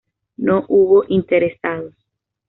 No hubo interesados.